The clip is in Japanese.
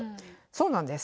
そうなんです。